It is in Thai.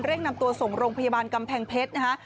เร่งนำตัวสงโรงพยาบาลกำแพงเพชร